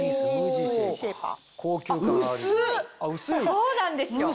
そうなんですよ。